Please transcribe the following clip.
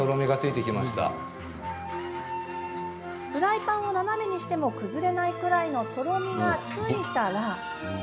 フライパンを斜めにしても崩れないくらいのとろみがついたら。